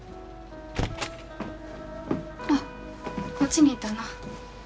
ああこっちにいたの。